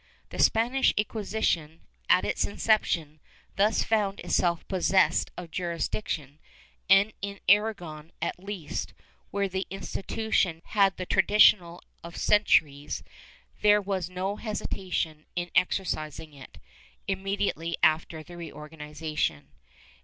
^ The Spanish Inquisition, at its inception, thus found itself possessed of jurisdiction and, in Aragon at least, where the insti tution had the tradition of centuries, there was no hesitation in exercising it, immediately after the reorganization.